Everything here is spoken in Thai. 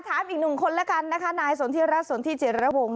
ถามอีกหนึ่งคนแล้วกันนะคะนายสนทิรัฐสนทิจิระวง